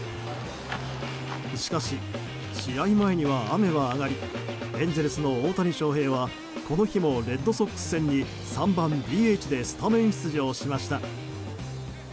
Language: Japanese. しかし、試合前には雨は上がりエンゼルスの大谷翔平はこの日もレッドソックス戦に３番ＤＨでスタメン出場しました。